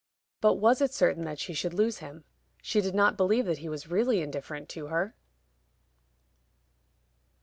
But was it certain that she should lose him? She did not believe that he was really indifferent to her.